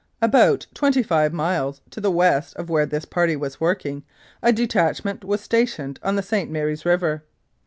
About twenty five miles to the west of where this party was working a detachment was stationed on the St. Mary's River.